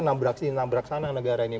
namberaksi namberaksana negara ini